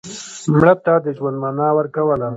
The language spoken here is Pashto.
مړه ته د ژوند معنا ورکوله